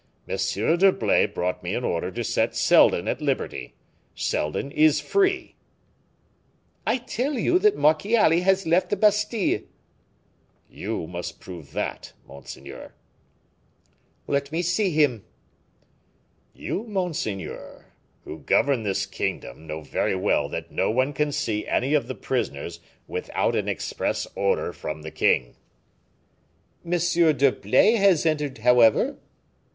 M. d'Herblay brought me an order to set Seldon at liberty. Seldon is free." "I tell you that Marchiali has left the Bastile." "You must prove that, monseigneur." "Let me see him." "You, monseigneur, who govern this kingdom, know very well that no one can see any of the prisoners without an express order from the king." "M. d'Herblay has entered, however."